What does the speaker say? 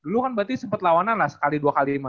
lu kan berarti sempat lawanan lah sekali dua kali lima